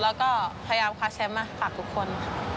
แล้วก็พยายามคว้าแชมป์มาฝากทุกคน